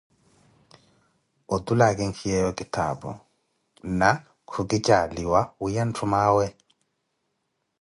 Othule akinkiyeeyo kithaapu, na ku kijaaliwa wiiya nthuume awe.